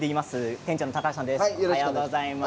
店長の高橋さんです。